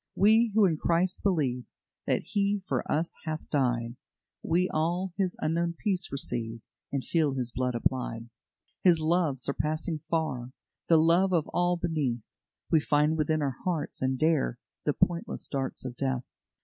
"We who in Christ believe That He for us hath died, We all His unknown peace receive, And feel His blood applied. "His love, surpassing far The love of all beneath, We find within our hearts, and dare The pointless darts of death.